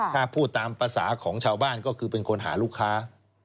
ถ้าพูดตามภาษาของชาวบ้านก็คือเป็นคนหาลูกค้า